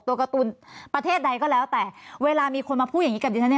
ตัวการ์ตูนประเทศใดก็แล้วแต่เวลามีคนมาพูดอย่างนี้กับดิฉันเนี่ย